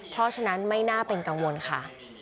เพราะฉะนั้นไม่น่าเป็นกังวลค่ะ